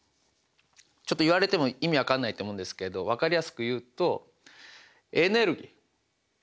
ちょっと言われても意味わかんないと思うんですけどわかりやすく言うとエネルギーこれ。